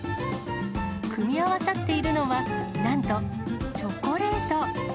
組み合わさっているのは、なんと、チョコレート。